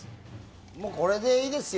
これでいいですよ。